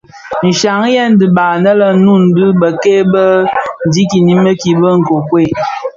Nshyayèn dhibaï ane lè Noun dhi bikei bi ndikinimiki bi nkokuel.